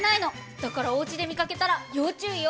だからお家で見かけたら要注意よ。